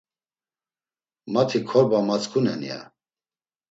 Mati korba matzǩunen ya.